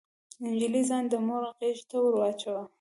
نجلۍ ځان د مور غيږې ته ور واچاوه.